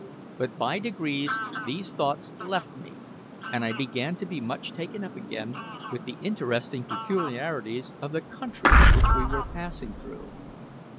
But by degrees these thoughts left me, and I began to be much taken up again with the interesting peculiarities of the country which we were passing through.